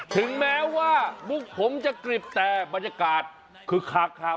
ถึงแม้ว่ามุกผมจะกริบแต่บรรยากาศคึกคักครับ